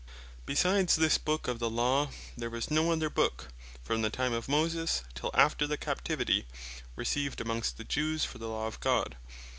Besides this Book of the Law, there was no other Book, from the time of Moses, till after the Captivity, received amongst the Jews for the Law of God.